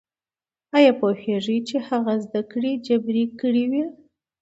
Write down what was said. ايا پوهېږئ چې هغه زده کړې جبري کړې وې؟